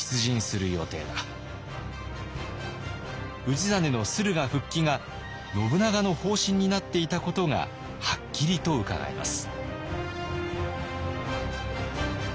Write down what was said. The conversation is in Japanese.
氏真の駿河復帰が信長の方針になっていたことがはっきりとうかがえます。